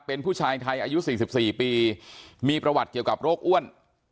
เป็นผู้ชายไทยอายุ๔๔ปีมีประวัติเกี่ยวกับโรคอ้วน